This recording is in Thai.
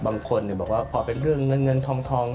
บางคนบอกว่าพอเป็นเรื่องเงินเงินทอง